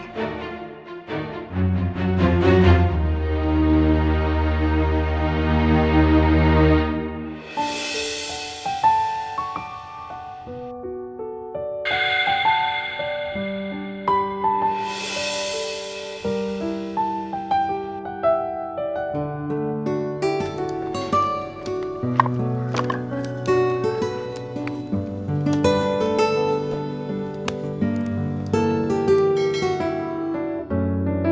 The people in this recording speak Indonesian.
sampai jumpa lagi